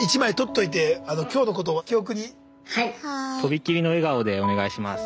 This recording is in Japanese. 「とびきりの笑顔でお願いします。